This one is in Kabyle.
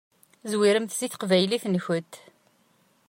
Zwiremt seg teqbaylit-nkent.